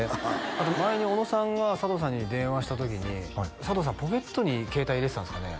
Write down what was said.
あと前に小野さんが佐藤さんに電話した時に佐藤さんポケットに携帯入れてたんですかね？